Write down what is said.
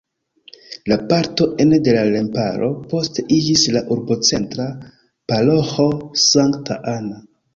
La parto ene de la remparo poste iĝis la urbocentra paroĥo Sankta Anna.